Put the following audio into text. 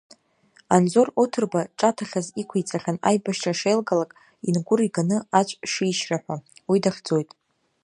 Анзор Оҭырба ҿаҭахьас иқәиҵахьан аибашьра шеилгалак Ингәыр иганы ацә шишьра ҳәа, уи дахьӡоит.